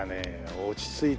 落ち着いて。